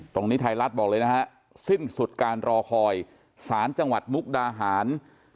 ไทยรัฐบอกเลยนะฮะสิ้นสุดการรอคอยสารจังหวัดมุกดาหาร